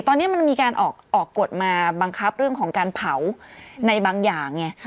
ตอนนี้มันมีการออกกฎมาบังคับเรื่องของการเผาในบางอย่างไง